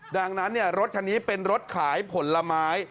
ดังนั้นรถคันนี้เป็นรถขายผลไม้